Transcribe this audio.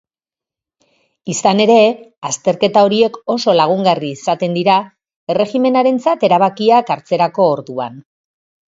Izan ere, azterketa horiek oso lagungarri izaten dira erregimenarentzat erabakiak hartzerako orduan.